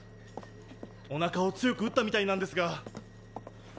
おなかを強く打ったみたいなんですが。